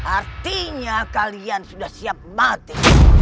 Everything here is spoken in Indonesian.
artinya kalian sudah siap mati